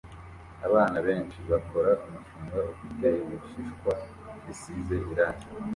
Abana benshi bakora umushinga ufite ibishishwa bisize irangi